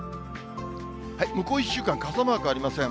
向こう１週間、傘マークありません。